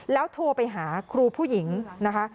แล้วโทรไปหาครูผู้หญิงนะคะ